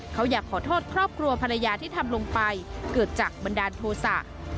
เขาอยากขอโทษครอบครัวภรรยาที่ทำลงไปเกิดจากบันดาลโทษะ